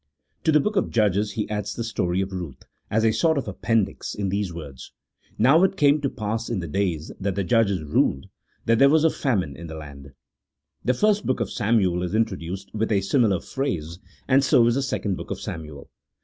To the book of Judges he adds the story of Kuth, as a sort of appendix, in these words :" Now it came to pass in the days that the judges ruled, that there was a famine in the land." The first book of Samuel is introduced with a similar phrase ; and so is the second book of Samuel.